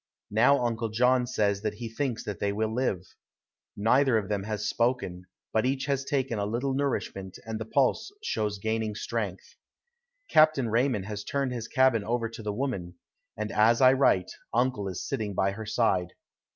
Now Uncle John says that he thinks that they will live. Neither of them has spoken, but each has taken a little nourishment and the pulse shows gaining strength. Captain Raymond has turned his cabin over to the woman, and as I write uncle is sitting by her side.